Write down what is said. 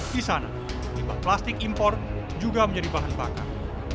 di sana limbah plastik impor juga menjadi bahan bakar